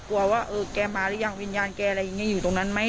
ว่าเออแกมาหรือยังวิญญาณแกอะไรอย่างนี้อยู่ตรงนั้นไหม